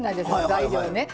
材料ね。